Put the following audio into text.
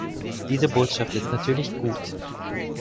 Diese Botschaft ist natürlich gut.